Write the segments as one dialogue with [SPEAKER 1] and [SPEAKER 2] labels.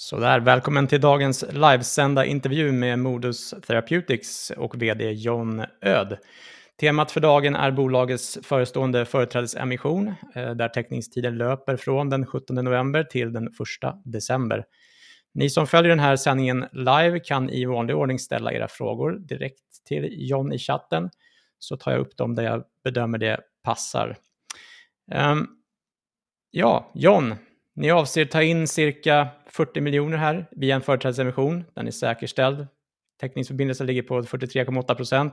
[SPEAKER 1] Sådär, välkommen till dagens livesända intervju med Modus Therapeutics och VD John Öd. Temat för dagen är bolagets förestående företrädesemission, där teckningstiden löper från den 17 november till den 1 december. Ni som följer den här sändningen live kan i vanlig ordning ställa era frågor direkt till John i chatten, så tar jag upp dem där jag bedömer det passar. Ja, John, ni avser ta in cirka 40 miljoner här via en företrädesemission. Den är säkerställd. Teckningsförbindelsen ligger på 43,8%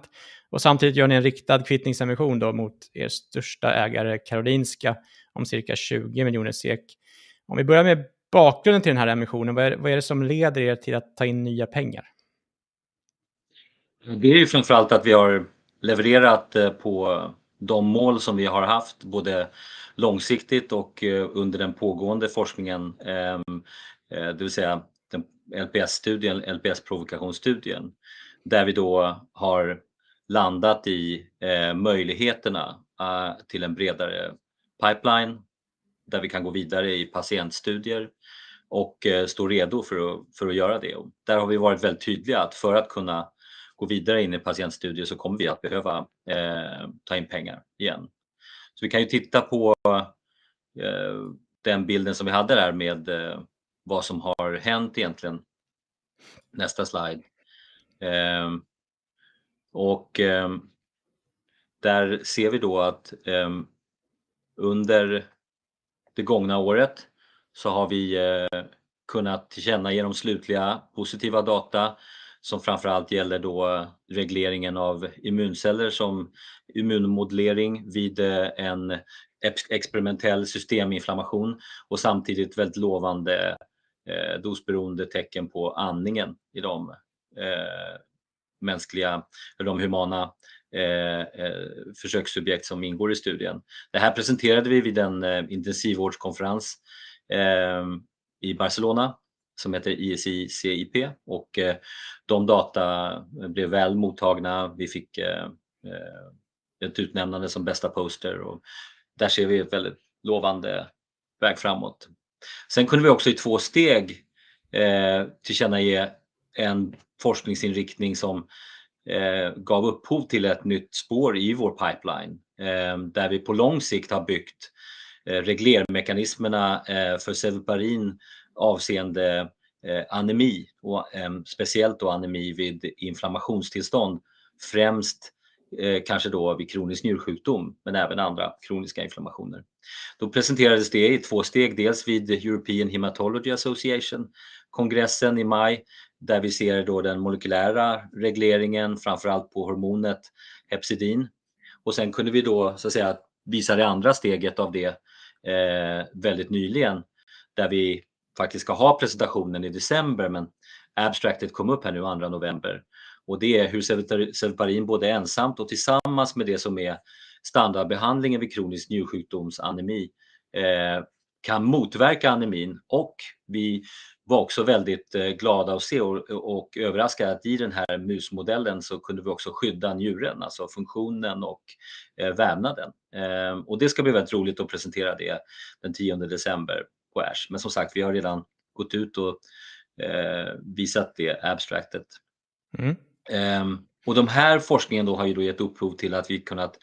[SPEAKER 1] och samtidigt gör ni en riktad kvittningsemission då mot er största ägare Karolinska om cirka 20 miljoner SEK. Om vi börjar med bakgrunden till den här emissionen, vad är det som leder er till att ta in nya pengar?
[SPEAKER 2] Det är ju framför allt att vi har levererat på de mål som vi har haft, både långsiktigt och under den pågående forskningen, det vill säga LPS-studien, LPS-provokationsstudien, där vi då har landat i möjligheterna till en bredare pipeline, där vi kan gå vidare i patientstudier och står redo för att göra det. Där har vi varit väldigt tydliga att för att kunna gå vidare in i patientstudier så kommer vi att behöva ta in pengar igen. Vi kan ju titta på den bilden som vi hade där med vad som har hänt egentligen. Nästa slide. Under det gångna året så har vi kunnat tillkännage de slutliga positiva data som framför allt gäller regleringen av immunceller som immunmodulering vid en experimentell systeminflammation och samtidigt väldigt lovande dosberoende tecken på andningen i de mänskliga eller de humana försökssubjekt som ingår i studien. Det här presenterade vi vid en intensivvårdskonferens i Barcelona som heter ESICIP och de data blev väl mottagna. Vi fick ett utnämnande som bästa poster och där ser vi en väldigt lovande väg framåt. Sen kunde vi också i två steg tillkännage en forskningsinriktning som gav upphov till ett nytt spår i vår pipeline, där vi på lång sikt har byggt reglermekanismerna för sevelmerin avseende anemi och speciellt då anemi vid inflammationstillstånd, främst kanske då vid kronisk njursjukdom, men även andra kroniska inflammationer. Då presenterades det i två steg, dels vid European Hematology Association-kongressen i maj, där vi ser den molekylära regleringen, framför allt på hormonet hepcidin. Och sen kunde vi visa det andra steget av det väldigt nyligen, där vi faktiskt ska ha presentationen i december, men abstractet kom upp här nu andra november. Och det är hur sevelmerin både ensamt och tillsammans med det som är standardbehandlingen vid kronisk njursjukdoms anemi kan motverka anemin. Och vi var också väldigt glada att se och överraskat att i den här musmodellen så kunde vi också skydda njuren, alltså funktionen och vävnaden. Och det ska bli väldigt roligt att presentera det den tionde december på ASH. Men som sagt, vi har redan gått ut och visat det abstractet.
[SPEAKER 1] Mm.
[SPEAKER 2] Och den här forskningen då har ju då gett upphov till att vi kunnat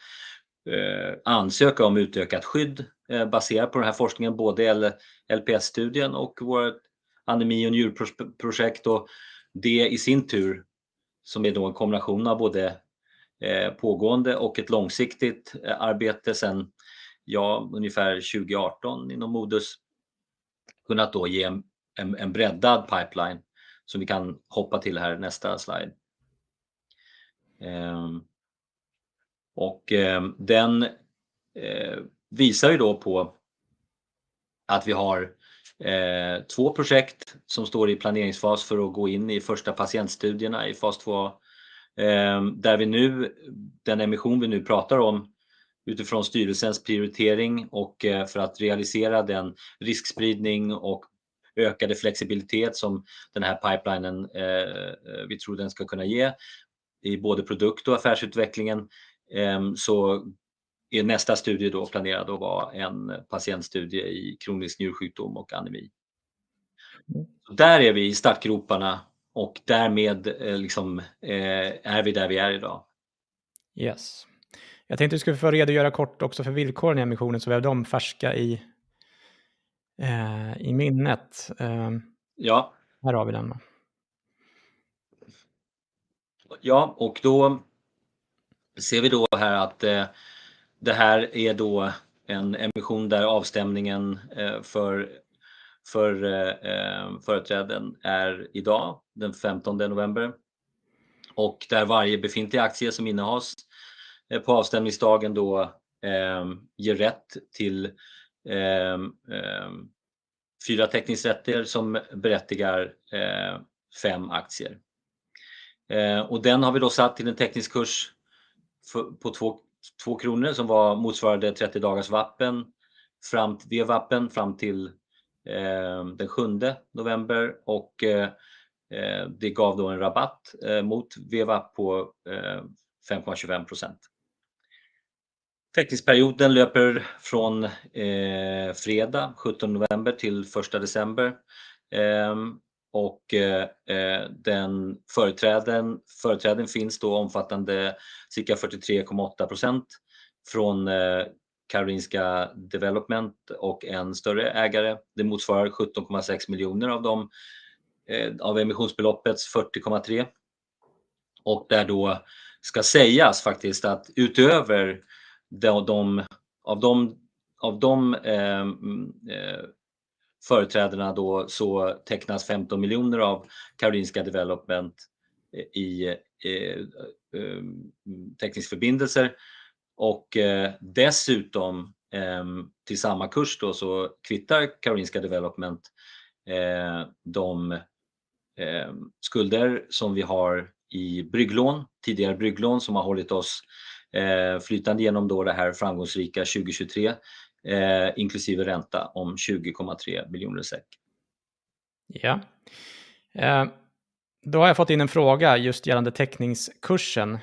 [SPEAKER 2] ansöka om utökat skydd baserat på den här forskningen, både LPS-studien och vårt anemi- och njurprojekt. Och det i sin tur, som är då en kombination av både pågående och ett långsiktigt arbete sedan, ja, ungefär 2018 inom Modus, kunnat då ge en breddad pipeline som vi kan hoppa till här i nästa slide. Och den visar ju då på att vi har två projekt som står i planeringsfas för att gå in i första patientstudierna i fas två, där vi nu, den emission vi nu pratar om, utifrån styrelsens prioritering och för att realisera den riskspridning och ökade flexibilitet som den här pipelinen, vi tror den ska kunna ge i både produkt och affärsutvecklingen, så är nästa studie då planerad att vara en patientstudie i kronisk njursjukdom och anemi. Där är vi i startgroparna och därmed är vi där vi är idag.
[SPEAKER 1] Yes, jag tänkte du ska få redogöra kort också för villkoren i emissionen, så vi har de färska i minnet.
[SPEAKER 2] Ja.
[SPEAKER 1] Här har vi den va.
[SPEAKER 2] Ja, och då ser vi då här att det här är då en emission där avstämningen för företräden är idag, den femtonde november, och där varje befintlig aktie som innehas på avstämningsdagen då ger rätt till fyra teckningsrätter som berättigar fem aktier. Och den har vi då satt till en teckningskurs på 2,2 kronor, som var motsvarande trettio dagars VWAP fram till den sjunde november och det gav då en rabatt mot VWAP på 5,25%. Teckningsperioden löper från fredag sjutton november till första december. Och företräden finns då omfattande cirka 43,8% från Karolinska Development och en större ägare. Det motsvarar 17,6 miljoner av emissionsbeloppets 40,3. Och där då ska sägas faktiskt att utöver de, av de, av de företrädarna då så tecknas 15 miljoner av Karolinska Development i teckningsförbindelser. Och dessutom, till samma kurs då, så kvittar Karolinska Development de skulder som vi har i brygglån, tidigare brygglån, som har hållit oss flytande igenom då det här framgångsrika 2023, inklusive ränta om 20,3 miljoner SEK.
[SPEAKER 1] Ja. Då har jag fått in en fråga just gällande teckningskursen,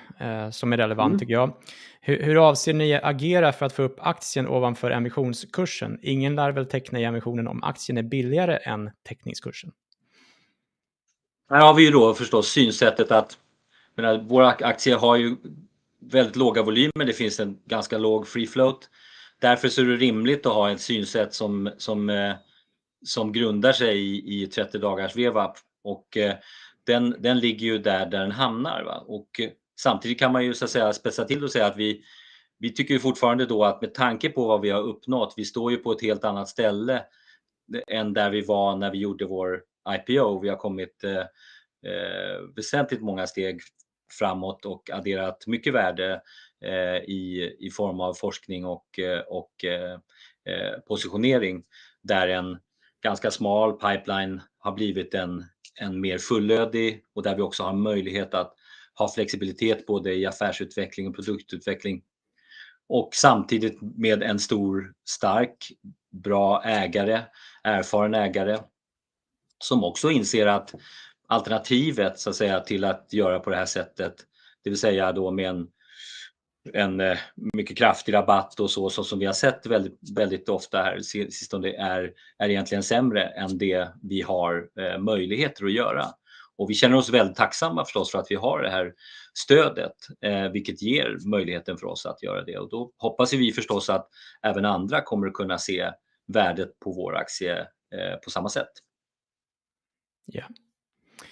[SPEAKER 1] som är relevant tycker jag. Hur avser ni agera för att få upp aktien ovanför emissionskursen? Ingen lär väl teckna i emissionen om aktien är billigare än teckningskursen.
[SPEAKER 2] Här har vi ju då förstås synsättet att våra aktier har ju väldigt låga volymer. Det finns en ganska låg free float. Därför så är det rimligt att ha ett synsätt som grundar sig i trettio dagars VWAP, och den ligger ju där den hamnar. Samtidigt kan man ju så att säga spetsa till och säga att vi tycker fortfarande då att med tanke på vad vi har uppnått, vi står ju på ett helt annat ställe än där vi var när vi gjorde vår IPO. Vi har kommit väsentligt många steg framåt och adderat mycket värde i form av forskning och positionering, där en ganska smal pipeline har blivit en mer fullödig och där vi också har möjlighet att ha flexibilitet både i affärsutveckling och produktutveckling. Och samtidigt med en stor, stark, bra ägare, erfaren ägare, som också inser att alternativet, så att säga, till att göra på det här sättet, det vill säga då med en mycket kraftig rabatt och så, så som vi har sett väldigt, väldigt ofta här sistom det är, är egentligen sämre än det vi har möjligheter att göra. Och vi känner oss väldigt tacksamma förstås för att vi har det här stödet, vilket ger möjligheten för oss att göra det. Och då hoppas vi förstås att även andra kommer att kunna se värdet på vår aktie på samma sätt.
[SPEAKER 1] Ja.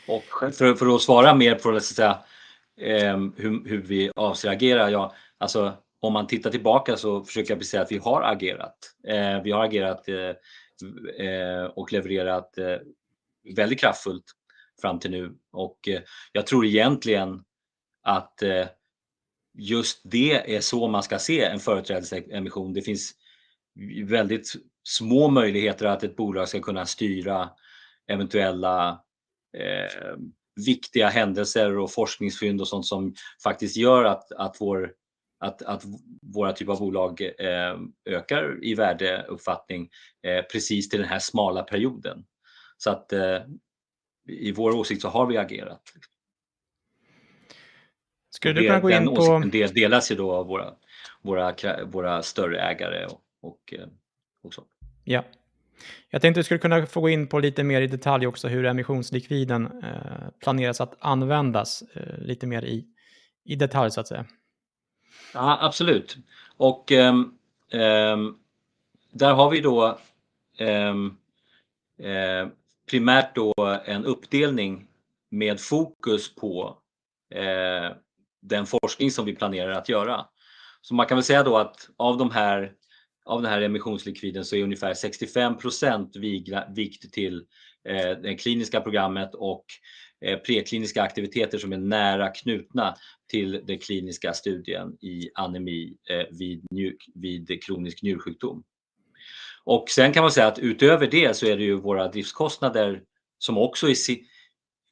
[SPEAKER 2] Och för att svara mer på så att säga hur vi avser agera. Ja, alltså, om man tittar tillbaka så försöker jag precis säga att vi har agerat. Vi har agerat och levererat väldigt kraftfullt fram till nu och jag tror egentligen att just det är så man ska se en företrädesemission. Det finns väldigt små möjligheter att ett bolag ska kunna styra eventuella viktiga händelser och forskningsfynd och sånt som faktiskt gör att våra typ av bolag ökar i värdeuppfattning precis till den här smala perioden. Så i vår åsikt så har vi agerat.
[SPEAKER 1] Skulle du kunna gå in på-
[SPEAKER 2] Den åsikten delas ju då av våra större ägare och så.
[SPEAKER 1] Ja, jag tänkte du skulle kunna gå in på lite mer i detalj också, hur emissionslikviden planeras att användas, lite mer i detalj så att säga.
[SPEAKER 2] Ja, absolut! Och där har vi då primärt en uppdelning med fokus på den forskning som vi planerar att göra. Så man kan väl säga då att av den här emissionslikviden så är ungefär 65% viktad till det kliniska programmet och prekliniska aktiviteter som är nära knutna till den kliniska studien i anemi vid kronisk njursjukdom. Och sen kan man säga att utöver det så är det ju våra driftskostnader som också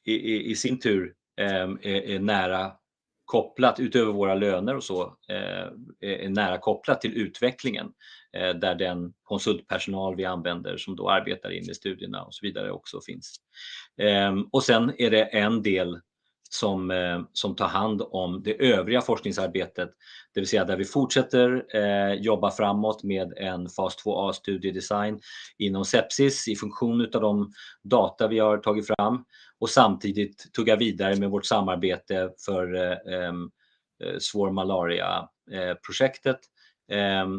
[SPEAKER 2] i sin tur är nära kopplat, utöver våra löner och så, är nära kopplat till utvecklingen, där den konsultpersonal vi använder, som då arbetar in i studierna och så vidare, också finns. Och sedan är det en del som tar hand om det övriga forskningsarbetet, det vill säga där vi fortsätter jobba framåt med en fas två A studie design inom sepsis, i funktion utav de data vi har tagit fram, och samtidigt tugga vidare med vårt samarbete för svår malaria projektet,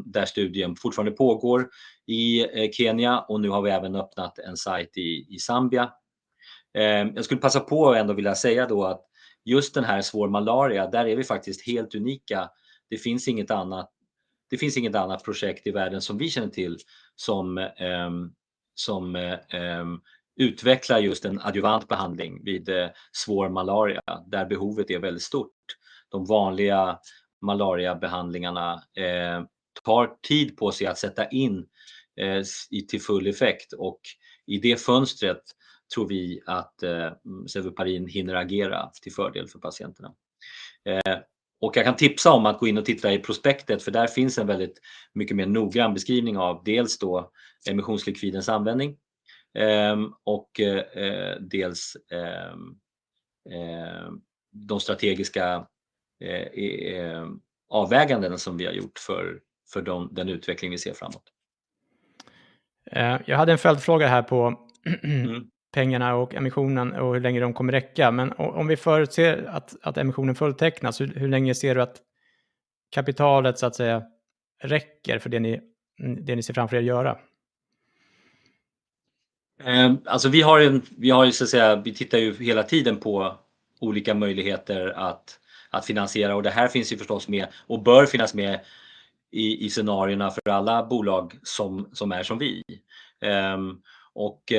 [SPEAKER 2] där studien fortfarande pågår i Kenya och nu har vi även öppnat en site i Zambia. Jag skulle passa på och ändå vilja säga då att just den här svår malaria, där är vi faktiskt helt unika. Det finns inget annat, det finns inget annat projekt i världen som vi känner till, som utvecklar just en adjuvant behandling vid svår malaria, där behovet är väldigt stort. De vanliga malariabehandlingarna tar tid på sig att sätta in i full effekt och i det fönstret tror vi att Seleparin hinner agera till fördel för patienterna. Jag kan tipsa om att gå in och titta i prospektet, för där finns en väldigt mycket mer noggrann beskrivning av dels emissionslikvidens användning och dels de strategiska avvägandena som vi har gjort för den utveckling vi ser framåt.
[SPEAKER 1] Eh, jag hade en följdfråga här på pengarna och emissionen och hur länge de kommer räcka. Men om vi förutsätter att emissionen fulltecknas, hur länge ser du att kapitalet så att säga räcker för det ni ser framför er att göra?
[SPEAKER 2] Vi har en, vi har ju så att säga, vi tittar ju hela tiden på olika möjligheter att finansiera, och det här finns ju förstås med och bör finnas med i scenarierna för alla bolag som är som vi. Och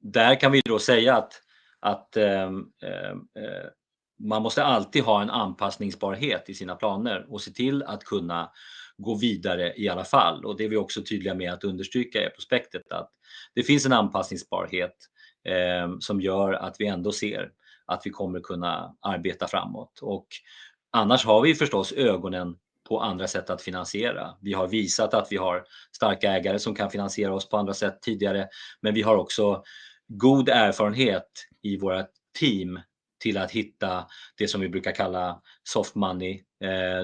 [SPEAKER 2] där kan vi då säga att man måste alltid ha en anpassningsbarhet i sina planer och se till att kunna gå vidare i alla fall. Och det är vi också tydliga med att understryka i prospektet, att det finns en anpassningsbarhet som gör att vi ändå ser att vi kommer kunna arbeta framåt. Och annars har vi förstås ögonen på andra sätt att finansiera. Vi har visat att vi har starka ägare som kan finansiera oss på andra sätt tidigare, men vi har också god erfarenhet i vårt team till att hitta det som vi brukar kalla soft money.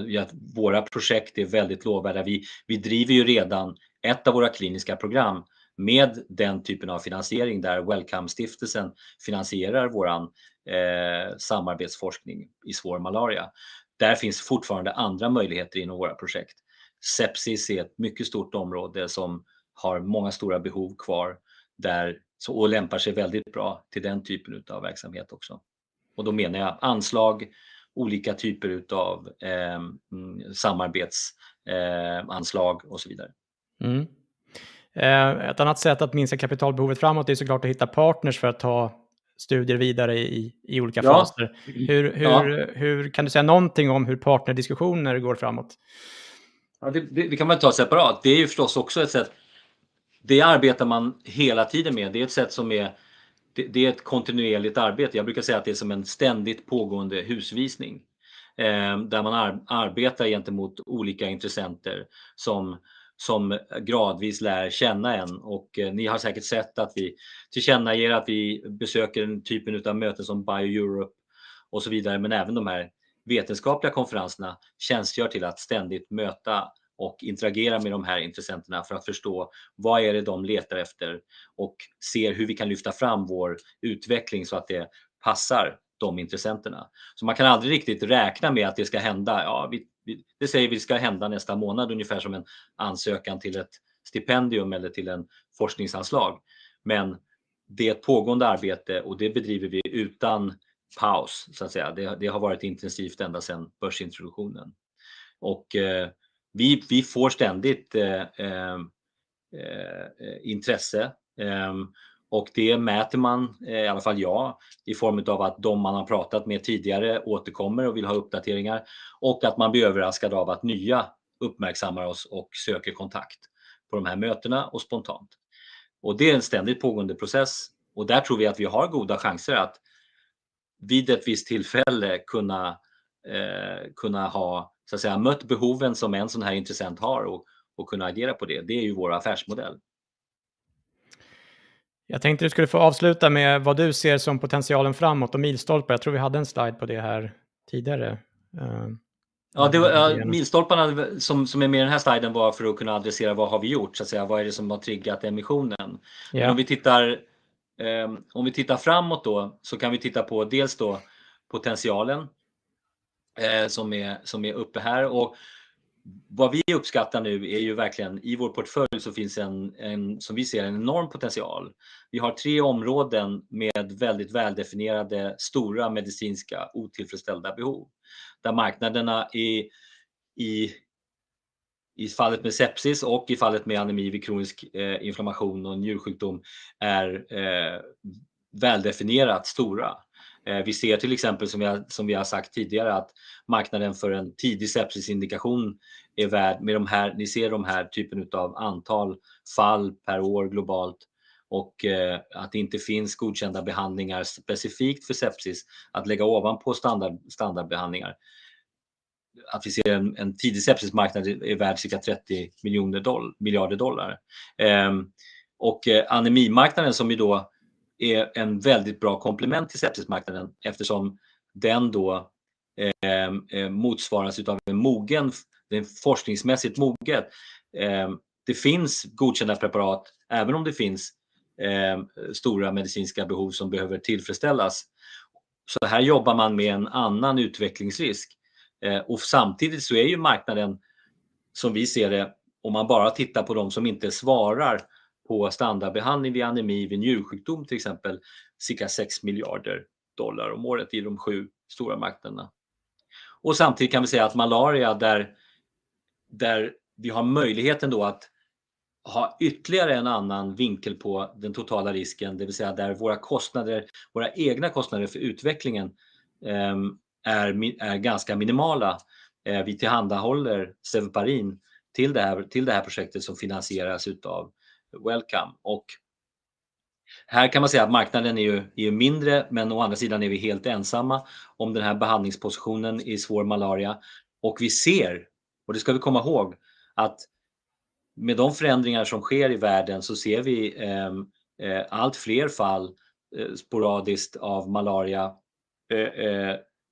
[SPEAKER 2] Ja, våra projekt är väldigt lovvärda. Vi driver ju redan ett av våra kliniska program med den typen av finansiering, där Wellcome-stiftelsen finansierar vår samarbetsforskning i svår malaria. Där finns fortfarande andra möjligheter inom våra projekt. Sepsis är ett mycket stort område som har många stora behov kvar där, och lämpar sig väldigt bra till den typen av verksamhet också. Och då menar jag anslag, olika typer av samarbetsanslag och så vidare.
[SPEAKER 1] Ett annat sätt att minska kapitalbehovet framåt är så klart att hitta partners för att ta studier vidare i olika faser.
[SPEAKER 2] Ja!
[SPEAKER 1] Hur kan du säga någonting om hur partnerdiskussioner går framåt?
[SPEAKER 2] Ja, det kan man ta separat. Det är förstås också ett sätt. Det arbetar man hela tiden med. Det är ett sätt som är, det är ett kontinuerligt arbete. Jag brukar säga att det är som en ständigt pågående husvisning, där man arbetar gentemot olika intressenter som gradvis lär känna en. Och ni har säkert sett att vi tillkännager att vi besöker den typen av möten som Bio Europe och så vidare. Men även de här vetenskapliga konferenserna tjänstgör till att ständigt möta och interagera med de här intressenterna för att förstå vad är det de letar efter och ser hur vi kan lyfta fram vår utveckling så att det passar de intressenterna. Så man kan aldrig riktigt räkna med att det ska hända. Ja, vi säger att det ska hända nästa månad, ungefär som en ansökan till ett stipendium eller till en forskningsanslag. Men det är ett pågående arbete och det bedriver vi utan paus, så att säga. Det har varit intensivt ända sedan börsintroduktionen. Och vi får ständigt intresse, och det mäter man, i alla fall jag, i form av att de man har pratat med tidigare återkommer och vill ha uppdateringar och att man blir överraskad av att nya uppmärksammar oss och söker kontakt på de här mötena och spontant. Och det är en ständigt pågående process och där tror vi att vi har goda chanser att vid ett visst tillfälle kunna ha, så att säga, mött behoven som en sådan här intressent har och kunna agera på det. Det är ju vår affärsmodell.
[SPEAKER 1] Jag tänkte du skulle få avsluta med vad du ser som potentialen framåt och milstolpar. Jag tror vi hade en slide på det här tidigare.
[SPEAKER 2] Ja, det var milstolparna som är med i den här sliden var för att kunna adressera vad har vi gjort, så att säga, vad är det som har triggat emissionen?
[SPEAKER 1] Ja.
[SPEAKER 2] Om vi tittar, om vi tittar framåt då, så kan vi titta på dels då potentialen som är uppe här. Och vad vi uppskattar nu är ju verkligen, i vår portfölj så finns en som vi ser en enorm potential. Vi har tre områden med väldigt väldefinierade, stora medicinska, otillfredsställda behov, där marknaderna i fallet med sepsis och i fallet med anemi vid kronisk inflammation och njursjukdom är väldefinierat stora. Vi ser till exempel, som vi har sagt tidigare, att marknaden för en tidig sepsisindikation är värd med de här... Ni ser de här typen utav antal fall per år globalt och att det inte finns godkända behandlingar specifikt för sepsis att lägga ovanpå standardbehandlingar. Att vi ser en tidig sepsismarknad är värd cirka $30 miljarder. Anemimarknaden är en väldigt bra komplement till sepsismarknaden, eftersom den motsvaras av en mogen, den är forskningsmässigt mogen. Det finns godkända preparat, även om det finns stora medicinska behov som behöver tillfredsställas. Här jobbar man med en annan utvecklingsrisk och samtidigt är marknaden, som vi ser det, om man bara tittar på de som inte svarar på standardbehandling vid anemi vid njursjukdom, till exempel, cirka $6 miljarder om året i de sju stora makterna. Samtidigt kan vi säga att malaria, där vi har möjligheten att ha ytterligare en annan vinkel på den totala risken, det vill säga där våra kostnader, våra egna kostnader för utvecklingen, är ganska minimala. Vi tillhandahåller ZMappin till det här projektet som finansieras av Wellcome. Och här kan man säga att marknaden är ju mindre, men å andra sidan är vi helt ensamma om den här behandlingspositionen i svår malaria. Och vi ser, och det ska vi komma ihåg, att det... Med de förändringar som sker i världen så ser vi allt fler fall sporadiskt av malaria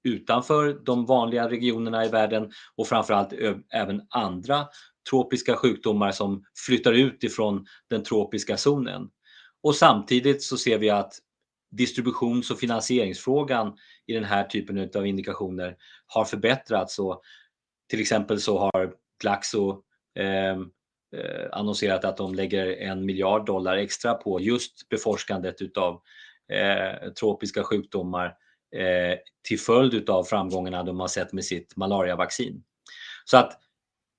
[SPEAKER 2] utanför de vanliga regionerna i världen och framför allt även andra tropiska sjukdomar som flyttar utifrån den tropiska zonen. Och samtidigt så ser vi att distributions- och finansieringsfrågan i den här typen av indikationer har förbättrats. Och till exempel så har Glaxo annonserat att de lägger en miljard dollar extra på just beforskandet av tropiska sjukdomar till följd av framgångarna de har sett med sitt malariavaccin. Så att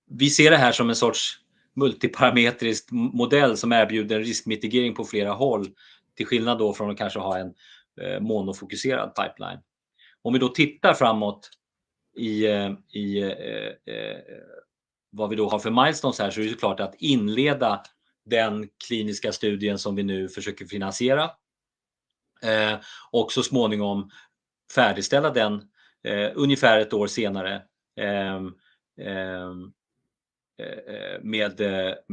[SPEAKER 2] vi ser det här som en sorts multiparametrisk modell som erbjuder riskmitigering på flera håll, till skillnad då från att kanske ha en monofokuserad pipeline. Om vi då tittar framåt i vad vi då har för milestones här, så är det klart att inleda den kliniska studien som vi nu försöker finansiera. Och så småningom färdigställa den ungefär ett år senare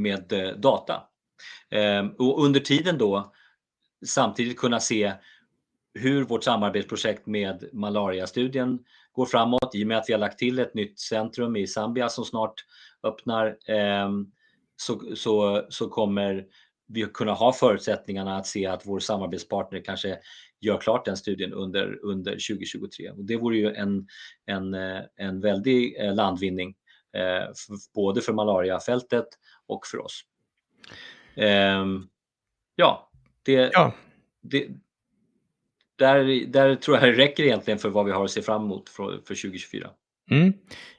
[SPEAKER 2] med data. Under tiden då samtidigt kunna se hur vårt samarbetsprojekt med malariastudien går framåt. I och med att vi har lagt till ett nytt centrum i Zambia som snart öppnar, så kommer vi att kunna ha förutsättningarna att se att vår samarbetspartner kanske gör klart den studien under 2023. Det vore ju en väldig landvinning, både för malariafältet och för oss. Ja, det där tror jag det räcker egentligen för vad vi har att se fram emot för 2024.
[SPEAKER 1] Mm.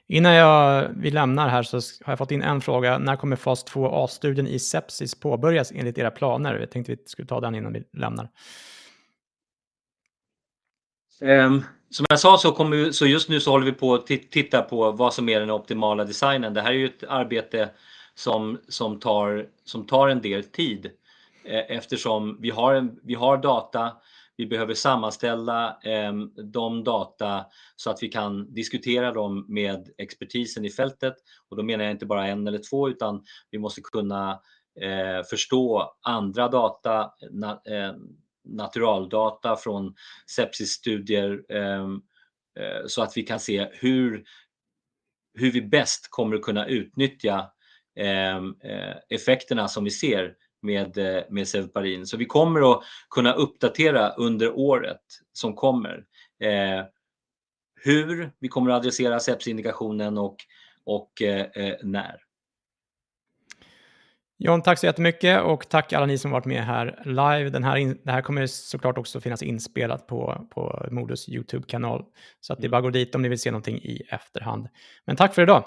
[SPEAKER 1] Innan jag, vi lämnar här så har jag fått in en fråga: När kommer fas två A-studien i sepsis påbörjas enligt era planer? Jag tänkte vi skulle ta den innan vi lämnar.
[SPEAKER 2] Som jag sa så kommer vi, så just nu så håller vi på att titta på vad som är den optimala designen. Det här är ju ett arbete som tar en del tid, eftersom vi har data, vi behöver sammanställa de data så att vi kan diskutera dem med expertisen i fältet. Och då menar jag inte bara en eller två, utan vi måste kunna förstå andra data, naturaldata från sepsisstudier, så att vi kan se hur vi bäst kommer att kunna utnyttja effekterna som vi ser med Zeltabarine. Så vi kommer att kunna uppdatera under året som kommer, hur vi kommer att adressera sepsisindikationen och när.
[SPEAKER 1] Jan, tack så jättemycket och tack alla ni som varit med här live. Den här, det här kommer så klart också finnas inspelat på Modus Youtubekanal. Så det är bara att gå dit om ni vill se någonting i efterhand. Men tack för idag!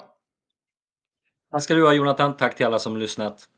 [SPEAKER 2] Tack ska du ha, Jonatan. Tack till alla som lyssnat.